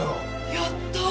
やった！